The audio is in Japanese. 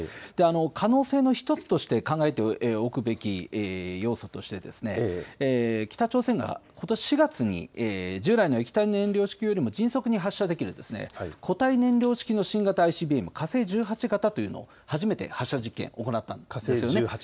可能性の１つとして考えておくべき要素として北朝鮮がことし４月に従来の液体燃料式よりも迅速に発射できる固体燃料式の新型ＩＣＢＭ、火星１８型というのを初めて発射実験を行いました。